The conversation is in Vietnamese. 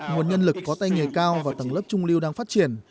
nguồn nhân lực có tay nghề cao và tầng lớp trung lưu đang phát triển